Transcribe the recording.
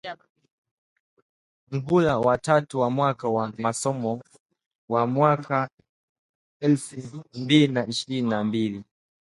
Muhula wa tatu wa mwaka wa masomo wa mwaka elfu mbili na ishrini na mbili